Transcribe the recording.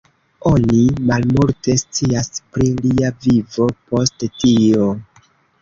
Oni malmulte scias pri lia vivo post tio.